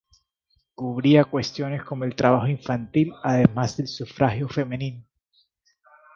Cubría cuestiones como el trabajo infantil además del sufragio femenino.